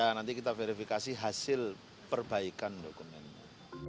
ya nanti kita verifikasi hasil perbaikan dokumennya